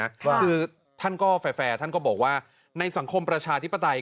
คือท่านก็แฟร์ท่านก็บอกว่าในสังคมประชาธิปไตย